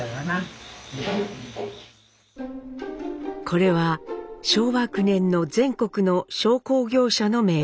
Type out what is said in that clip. これは昭和９年の全国の商工業者の名簿。